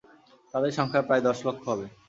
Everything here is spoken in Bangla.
তাঁদের সংখ্যা প্রায় দশ লক্ষ হবে।